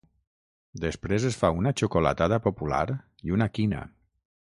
Després es fa una xocolatada popular i una quina.